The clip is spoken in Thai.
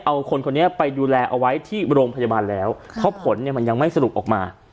เอาคนคนนี้ไปดูแลเอาไว้ที่โรงพยาบาลแล้วเพราะผลเนี่ยมันยังไม่สรุปออกมา